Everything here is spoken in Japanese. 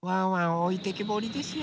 おいてけぼりですよ。